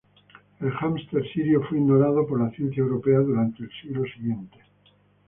El hámster sirio fue ignorado por la ciencia europea durante el siglo siguiente.